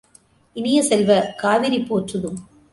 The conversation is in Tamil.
இனிய செல்வ, காவிரி போற்றுதும்!